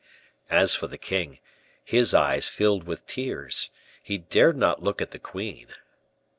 As for the king, his eyes filled with tears; he dared not look at the queen.